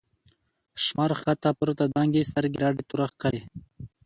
” شمر” ښکته پورته دانگی، سترگی رډی توره کښلی